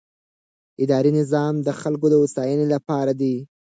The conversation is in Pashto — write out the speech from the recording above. اداري نظام د خلکو د هوساینې لپاره دی.